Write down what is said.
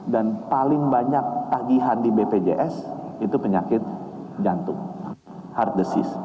dan paling banyak tagihan di bpjs itu penyakit jantung